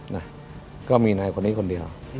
นะก็มีนายคนนี้คนเดียว